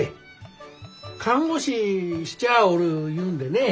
看護師しちゃあおるいうんでねえ。